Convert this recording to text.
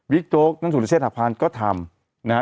บิ๊กโจ๊กแล้วศูนย์เชษฐาพรรณก็ทำ